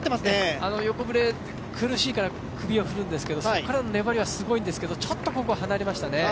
横ブレ、苦しいから首を振るんですけどそこからの粘りはすごいんですけどちょっと離れましたね。